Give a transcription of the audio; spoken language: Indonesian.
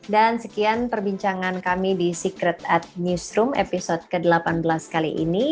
dan sekian perbincangan kami di secret at newsroom episode ke delapan belas kali ini